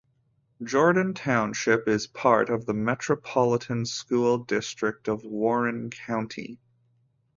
Jordan Township is part of the Metropolitan School District of Warren County.